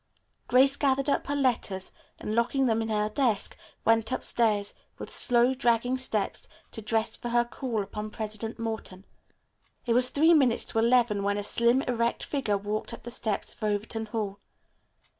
Grace gathered up her letters and, locking them in her desk, went upstairs, with slow, dragging steps, to dress for her call upon President Morton. It was three minutes to eleven when a slim, erect figure walked up the steps of Overton Hall.